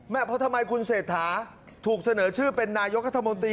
เพราะทำไมคุณเศรษฐาถูกเสนอชื่อเป็นนายกรัฐมนตรี